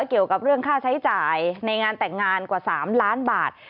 เกี่ยวกับเรื่องค่าใช้จ่ายในงานแต่งงานกว่า๓ล้านบาท